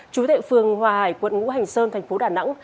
chú thệ phường hòa hải quận ngũ hành sơn thành phố đà nẵng